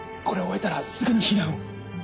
これを終えたらすぐに避難を。